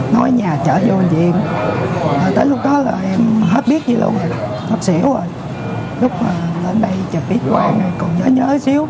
nó xỉu rồi lúc mà lên đây chụp yết quang còn nhớ nhớ xíu